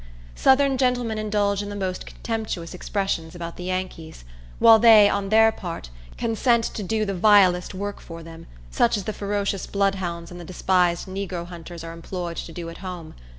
Southern gentlemen indulge in the most contemptuous expressions about the Yankees, while they, on their part, consent to do the vilest work for them, such as the ferocious bloodhounds and the despised negro hunters are employed to do at home.